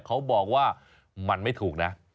เขาบอกว่ามันไม่ถูกนะ